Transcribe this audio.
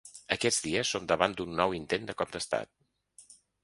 Aquests dies som davant d’un nou intent de cop d’estat.